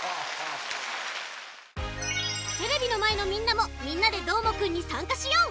テレビのまえのみんなも「みんなＤＥどーもくん！」にさんかしよう！